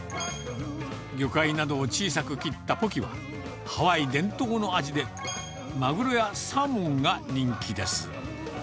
魚介などを小さく切ったポキは、ハワイ伝統の味で、マグロやサーモンが人気です。